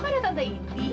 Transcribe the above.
kok ada tante iti